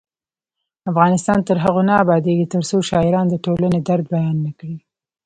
افغانستان تر هغو نه ابادیږي، ترڅو شاعران د ټولنې درد بیان نکړي.